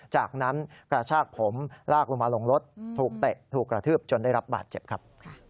จากนั้นกระชากผมลากลงมาลงรถถูกเตะถูกกระทืบจนได้รับบาดเจ็บครับ